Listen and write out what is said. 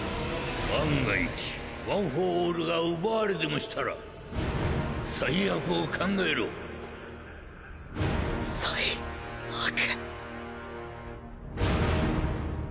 万が一ワン・フォー・オールが奪われでもしたら最悪を考えろ最悪。